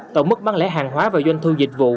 tổng mức bán lẻ hàng hóa và doanh thu dịch vụ